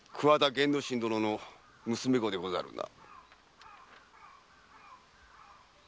源之進殿の娘御でござるな？